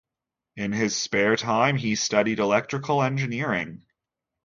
In his spare time, he studied electrical engineering.